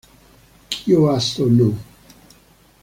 Kyo-hwa-so No.